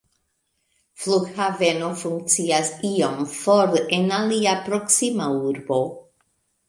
Flughaveno funkcias iom for en alia proksima urbo.